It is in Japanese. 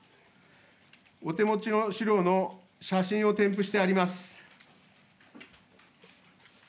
お手持ちの資料の写真を添付してあります。